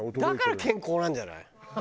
だから健康なんじゃない？